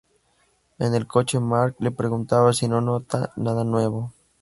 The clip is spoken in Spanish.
En el coche Marc le pregunta si no nota nada nuevo.